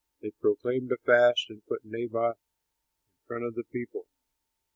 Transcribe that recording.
They proclaimed a fast and put Naboth in front of the people.